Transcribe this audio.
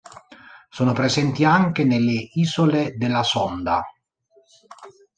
Sono presenti anche nelle Isole della Sonda.